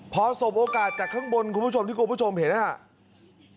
พอสบโอกาสจากข้างบนคุณผู้ชมที่คุณผู้ชมเห็นนะครับ